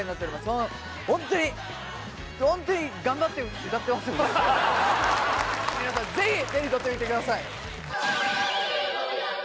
そのホントにホントに頑張って歌ってますんで皆さんぜひ！手に取ってみてください